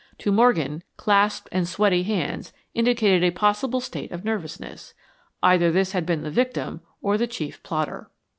To Morgan, clasped and sweaty hands indicated a possible state of nervousness. Either this had been the victim or the chief plotter.